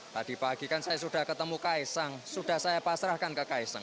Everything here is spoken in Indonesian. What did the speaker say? tadi pagi kan saya sudah ketemu kaisang sudah saya pasrahkan ke kaisang